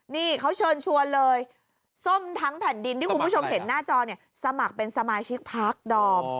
นี่เขาเชิญชวนเลยส้มทั้งแผ่นดินที่คุณผู้ชมเห็นหน้าจอเนี่ยสมัครเป็นสมาชิกพักดอม